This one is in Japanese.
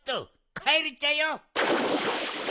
かえるっちゃよ！